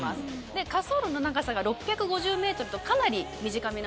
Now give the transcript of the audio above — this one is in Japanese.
滑走路の長さが６５０ｍとかなり短めなんです。